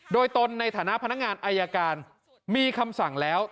โดยตนในฐานะพนักงานอายการมีคำสั่งแล้ว